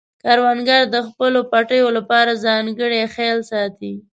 کروندګر د خپلو پټیو لپاره ځانګړی خیال ساتي